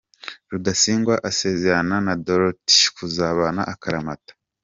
Rudasingwa asezerana na Dorothy kuzabana akaramata